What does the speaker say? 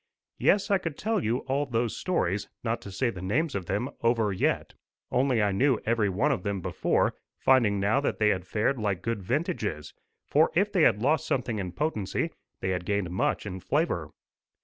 Yes I could tell you all those stories, not to say the names of them, over yet. Only I knew every one of them before; finding now that they had fared like good vintages, for if they had lost something in potency, they had gained much in flavour.